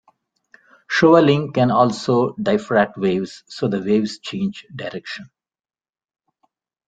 Shoaling can also diffract waves, so the waves change direction.